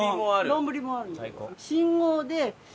丼もある。